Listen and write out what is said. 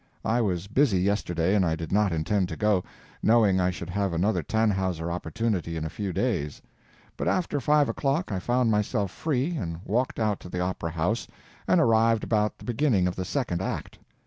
I was busy yesterday and I did not intend to go, knowing I should have another "Tannhauser" opportunity in a few days; but after five o'clock I found myself free and walked out to the opera house and arrived about the beginning of the second act.